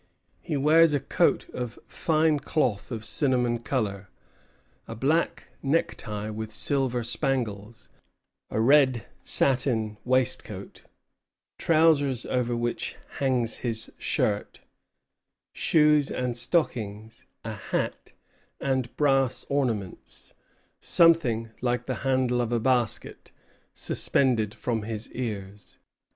He wears a coat of fine cloth of cinnamon color, a black necktie with silver spangles, a red satin waistcoat, trousers over which hangs his shirt, shoes and stockings, a hat, and brass ornaments, something like the handle of a basket, suspended from his ears."